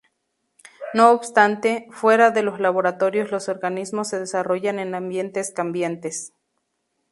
No obstante, fuera de los laboratorios los organismos se desarrollan en ambientes cambiantes.